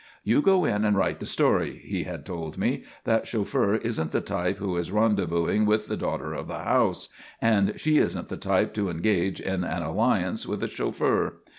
"You go in and write the story," he had told me. "That chauffeur isn't the type who is rendezvousing with the daughter of the house; and she isn't the type to engage in an alliance with a chauffeur.